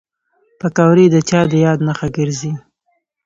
پکورې د چا د یاد نښه ګرځي